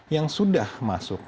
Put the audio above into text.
yang sudah masuk